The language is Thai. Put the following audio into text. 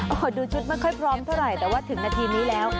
โอ้โหดูชุดไม่ค่อยพร้อมเท่าไหร่แต่ว่าถึงนาทีนี้แล้ว